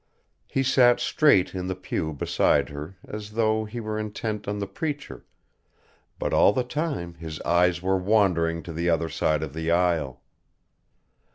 He sat straight in the pew beside her as though he were intent on the preacher, but all the time his eyes were wandering to the other side of the aisle.